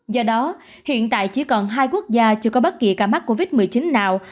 do đó hiện tại chỉ còn hai quốc gia chưa có bất kỳ ca mắc covid một mươi chín nào